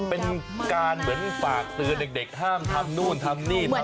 เป็นการเหมือนฝากเตือนเด็กห้ามทำนู่นทำนี่ทำ